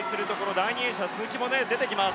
第２泳者の鈴木も出てきます。